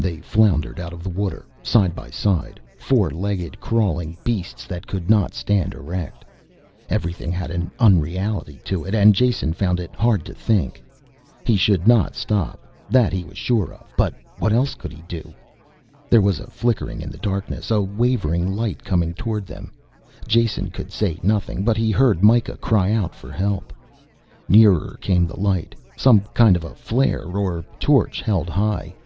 They floundered out of the water, side by side, four legged crawling beasts that could not stand erect. Everything had an unreality to it and Jason found it hard to think. He should not stop, that he was sure of, but what else could he do? There was a flickering in the darkness, a wavering light coming towards them. Jason could say nothing, but he heard Mikah cry out for help. Nearer came the light, some kind of a flare or torch, held high.